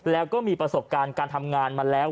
แล้วก็มีประสบการณ์การทำงานมาแล้ว